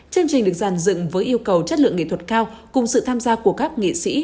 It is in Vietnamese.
chương trình được giàn dựng với yêu cầu chất lượng nghệ thuật cao cùng sự tham gia của các nghệ sĩ